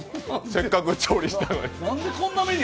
せっかく調理したのに。